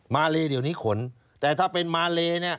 มาเลเดี๋ยวนี้ขนแต่ถ้าเป็นมาเลเนี่ย